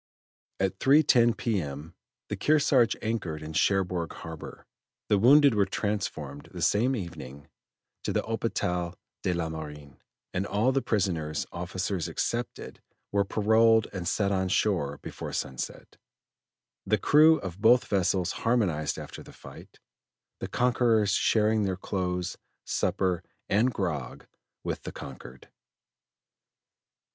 At 3.10 P.M. the Kearsarge anchored in Cherbourg harbor; the wounded were transferred the same evening to the Hôpital de la Marine, and all the prisoners, officers excepted, were paroled and set on shore before sunset. The crew of both vessels harmonized after the fight, the conquerors sharing their clothes, supper, and grog with the conquered.